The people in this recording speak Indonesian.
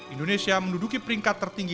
indonesia menduduki peringkat tertinggi